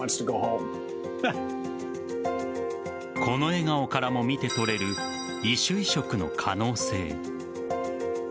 この笑顔からも見て取れる異種移植の可能性。